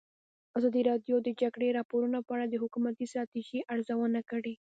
ازادي راډیو د د جګړې راپورونه په اړه د حکومتي ستراتیژۍ ارزونه کړې.